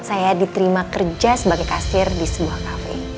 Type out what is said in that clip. saya diterima kerja sebagai kasir di sebuah kafe